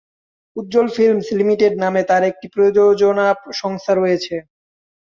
উজ্জ্বল films limited নামে তার একটি প্রযোজনা সংস্থা রয়েছে।